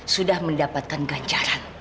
sudah mendapatkan ganjaran